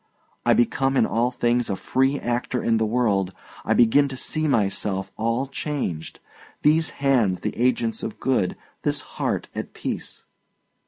I become in all things a free actor in the world; I begin to see myself all changed, these hands the agents of good, this heart at peace.